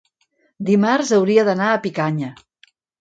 Dimarts hauria d'anar a Picanya.